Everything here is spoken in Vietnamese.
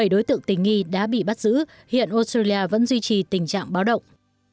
bảy đối tượng tình nghi đã bị bắt giữ hiện australia vẫn duy trì tình trạng báo động